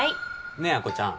ねえ亜子ちゃん。